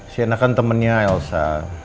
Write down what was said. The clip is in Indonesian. sienna kan temennya elsa